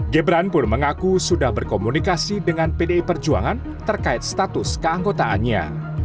gibran pun mengaku sudah berkomunikasi dengan pdi perjuangan terkait status keanggotaannya